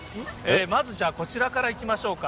まずじゃあ、こちらからいきましょうか。